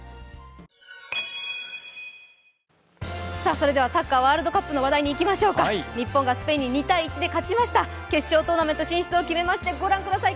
それではサッカーワールドカップの話題にいきましょうか日本がスペインに２−１で勝ちました決勝トーナメント進出を決めまして、ご覧ください